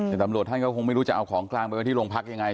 แต่ตำรวจท่านก็คงไม่รู้จะเอาของกลางไปไว้ที่โรงพักยังไง